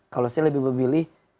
kalau saya lebih memilih